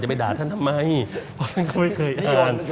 ไปด่าท่านทำไมเพราะท่านเขาไม่เคยอ่าน